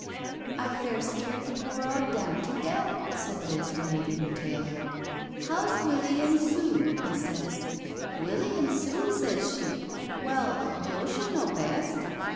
" I fair skeered the poor owd dame to death," said Liz, relating her tale. "' How*s Willie an* Sue?' I sez. ' Willie an' Sue,' sez she. ' Well, yo' should know best.